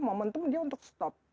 momentum dia untuk berhenti